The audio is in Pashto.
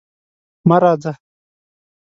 مه راځه!